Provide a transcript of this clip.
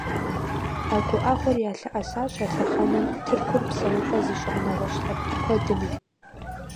А гуӀэгъуэр ялъэӀэсащ а лъэхъэнэм Тыркур псэупӀэ зыщӀа нэгъуэщӀ лъэпкъ куэдми.